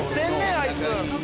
あいつ。